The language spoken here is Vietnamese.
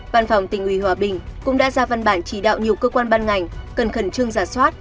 văn phòng tỉnh ủy hòa bình cũng đã ra văn bản chỉ đạo nhiều cơ quan ban ngành cần khẩn trương giả soát